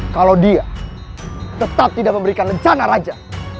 kalau dia tetap tidak memberikan lencana raja